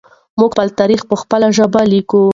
موږ خپل تاریخ په خپله ژبه لیکو.